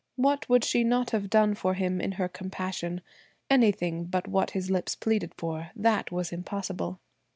What would she not have done for him in her compassion! Anything but what his lips pleaded for; that was impossible.